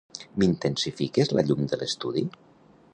M'intensifiques la llum de l'estudi?